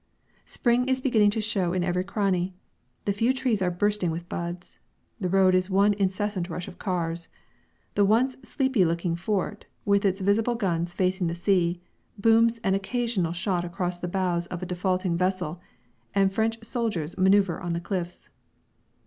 Spring is beginning to show in every cranny. The few trees are bursting with buds. The road is one incessant rush of cars. The once sleepy looking fort, with its visible guns facing the sea, booms an occasional shot across the bows of a defaulting vessel, and French soldiers manoeuvre on the cliffs.